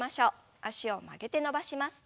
脚を曲げて伸ばします。